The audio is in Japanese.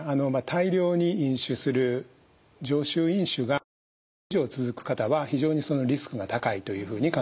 大量に飲酒する常習飲酒が５年以上続く方は非常にそのリスクが高いというふうに考えられます。